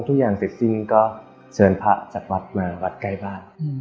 ทุกอย่างเสร็จสิ้นก็เชิญพระจากวัดมาวัดใกล้บ้าน